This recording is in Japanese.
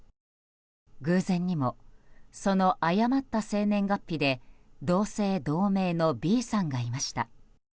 偶然にも、その誤った生年月日で同姓同名のＢさんがいました。